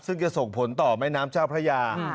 ซึ่งจะส่งผลต่อแม่น้ำเจ้าพระยา